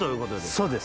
そうです。